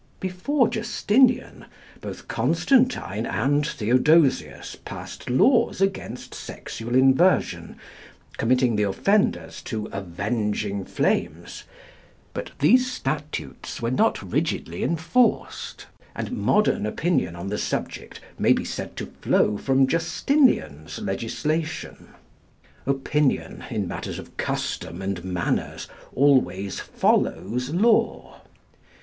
Before Justinian, both Constantine and Theodosius passed laws against sexual inversion, committing the offenders to "avenging flames." But these statutes were not rigidly enforced, and modern opinion on the subject may be said to flow from Justinian's legislation. Opinion, in matters of custom and manners, always follows law.